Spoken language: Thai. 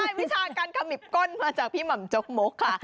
วิชาการขมิบก้นมาจากพี่หม่ำจกมกค่ะ